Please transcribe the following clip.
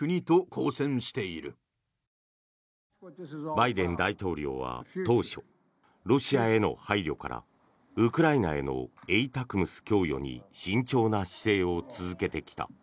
バイデン大統領は当初ロシアへの配慮からウクライナへのＡＴＡＣＭＳ供与に慎重な姿勢を続けてきた。